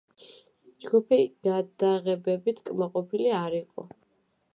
ჯგუფი გადაღებებით კმაყოფილი არ იყო.